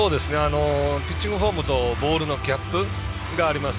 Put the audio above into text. ピッチングフォームとボールのギャップがあります。